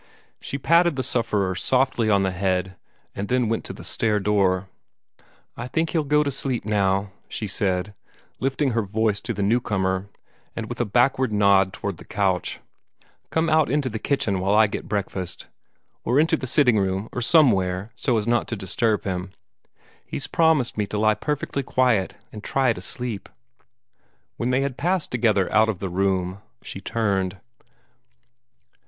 She patted the sufferer softly on the head, and then went to the stair door. "I think he'll go to sleep now," she said, lifting her voice to the new comer, and with a backward nod toward the couch. "Come out into the kitchen while I get breakfast, or into the sitting room, or somewhere, so as not to disturb him. He's promised me to lie perfectly quiet, and try to sleep." When they had passed together out of the room, she turned.